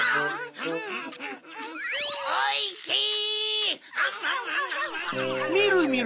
おいしい！